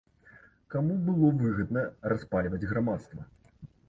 Каму было выгадна распальваць грамадства?